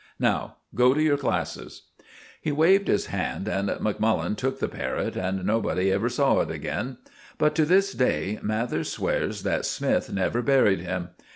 Now go to your classes." He waved his hand, and Macmullen took the parrot, and nobody ever saw it again. But to this day Mathers swears that Smith never buried him.